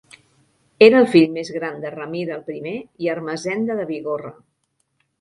Era el fill més gran de Ramir el Primer i Ermessenda de Bigorra.